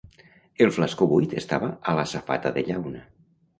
El flascó buit estava a la safata de llauna.